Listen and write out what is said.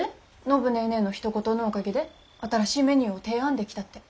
暢ネーネーのひと言のおかげで新しいメニューを提案できたって。